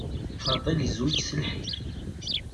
Fadil yezweǧ s lḥir.